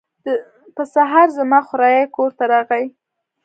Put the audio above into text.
په سهار زما خوریی کور ته راغی.